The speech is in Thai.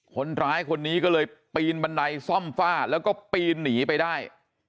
คนร้ายคนนี้ก็เลยปีนบันไดซ่อมฝ้าแล้วก็ปีนหนีไปได้